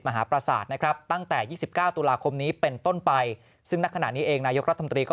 มหาประสาทนะครับตั้งแต่๒๙ตุลาคมนี้เป็นต้นไปซึ่งณขณะนี้เองนายกรัฐมนตรีก็